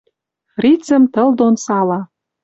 Фрицӹм тыл дон сала